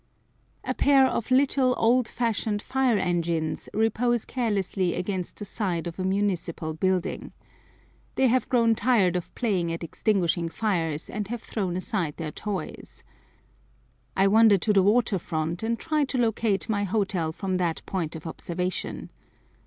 A pair of little old fashioned fire engines repose carelessly against the side of a municipal building. They have grown tired of playing at extinguishing fires and have thrown aside their toys. I wander to the water front and try to locate my hotel from that point of observation.